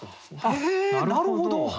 えなるほど。